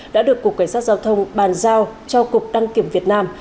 đã được cục cảnh sát giao thông bàn giao cho cục đăng kiểm việt nam